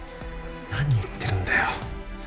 何言ってるんだよ